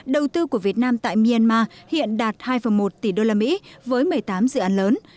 đầu tư của việt nam tại myanmar hiện đạt hai một tỷ đô la mỹ với một mươi tám dự án lớn